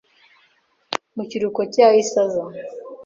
Mu kiruhuko cye yahise aza